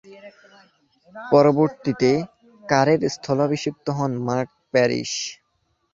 পরবর্তীতে কারের স্থলাভিষিক্ত হন মার্ক প্যারিশ।